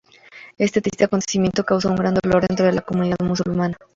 Este triste acontecimiento causó un gran dolor dentro de la comunidad musulmana.